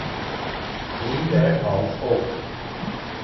In der als Op.